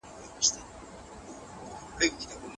کمپيوټر د نړۍ له هر ځايه معلومات راولي.